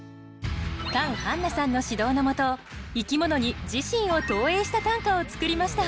カン・ハンナさんの指導のもと生き物に自身を投影した短歌を作りました